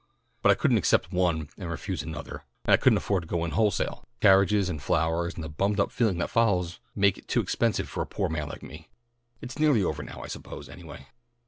But I couldn't accept one and refuse another and I couldn't afford to go in wholesale; carriages and flowers and the bummed up feeling that follows make it too expensive for a poor man like me. It's nearly over now, I suppose, anyway."